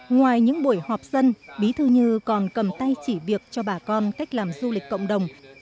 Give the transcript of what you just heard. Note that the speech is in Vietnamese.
ngoài những buổi họp dân bí thư như còn cầm tay chỉ việc cho bà con cách làm du lịch cộng đồng